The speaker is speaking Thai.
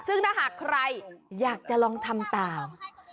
ซึ่งถ้าหากใครอยากจะลองทำตาม